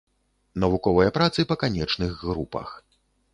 Навуковыя працы па канечных групах.